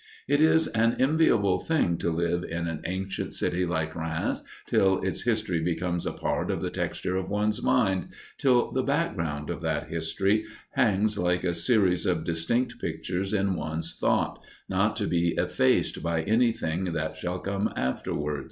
It is an enviable thing to live in an ancient city like Rheims till its history becomes a part of the texture of one's mind, till the background of that history, hangs like a series of distinct pictures in one's thought, not to be effaced by anything that shall come afterward.